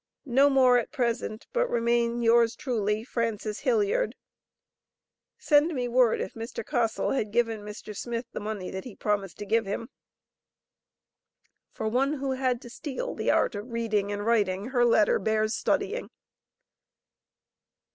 No more at present, but remain Yours truly, FRANCES HILLIARD. Send me word if Mr. Caustle had given Mr. Smith the money that he promised to give him. For one who had to steal the art of reading and writing, her letter bears studying.